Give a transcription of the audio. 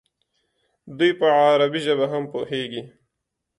دوی په عربي ژبه هم پوهېږي.